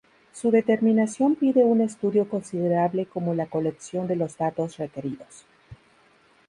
Su determinación pide un estudio considerable como la colección de los datos requeridos.